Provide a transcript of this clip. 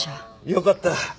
よかった。